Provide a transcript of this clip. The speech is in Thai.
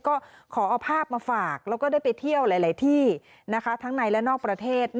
ก็ขอเอาภาพมาฝากแล้วก็ได้ไปเที่ยวหลายที่นะคะทั้งในและนอกประเทศ